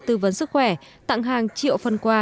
tư vấn sức khỏe tặng hàng triệu phần quà